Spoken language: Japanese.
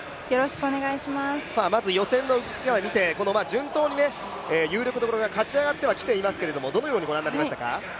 まず予選を見て、順当に有力どころが勝ち上がってはきていますけどどのようにご覧になりましたか？